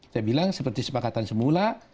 saya bilang seperti sepakatan semula